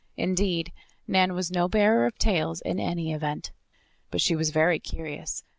Indeed, Nan was no bearer of tales in any event. But she was very curious.